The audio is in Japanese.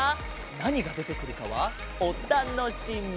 なにがでてくるかはおたのしみ！